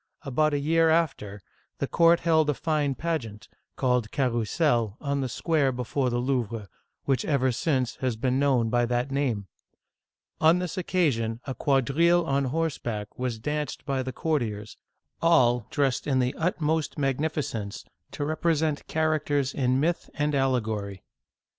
About a year after, the court held a fine pageant, called Digitized by Google 338 OLD FRANCE Carrousel (car oo zel') on the square before the Louvre, which ever since has been known by that name. On this occasion, a quadrille on horseback was danced by the courtiers, all dressed with the utmost magnificence to rep resent characters in myth and allegory.